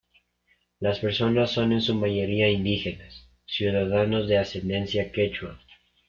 Las personas son en su mayoría indígenas, ciudadanos de ascendencia quechua.